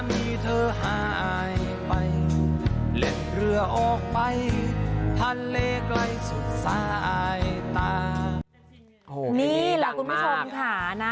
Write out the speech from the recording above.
นี่แหละคุณผู้ชมค่ะนะ